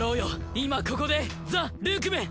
今ここでザ・ルークメン。